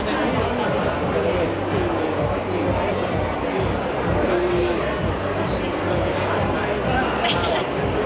ไม่ใช่ละ